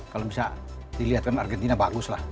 kalau bisa dilihatkan argentina bagus lah